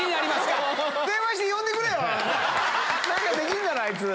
何かできるだろあいつ。